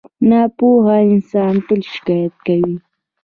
• ناپوهه انسان تل شکایت کوي.